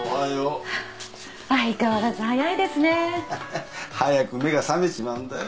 ハハッ早く目が覚めちまうんだよ。